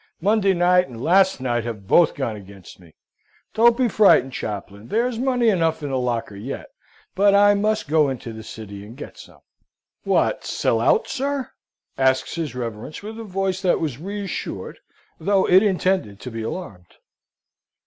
Monday night, and last night, have both gone against me. Don't be frightened, chaplain, there's money enough in the locker yet. But I must go into the City and get some." "What, sell out, sir?" asks his reverence, with a voice that was reassured, though it intended to be alarmed.